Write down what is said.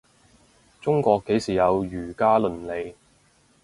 中國幾時有儒家倫理